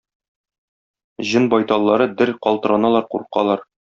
Җен байталлары дер калтыраналар, куркалар.